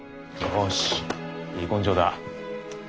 よしいい根性だ。